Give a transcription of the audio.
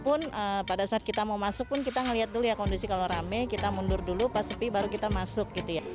kemudian waktu di awal pun pada saat kita mau masuk pun kita ngelihat dulu ya kondisi kalau rame kita mundur dulu pas sepi baru kita masuk gitu ya